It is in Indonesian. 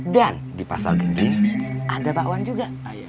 dan di pasal genjling ada dakwan juga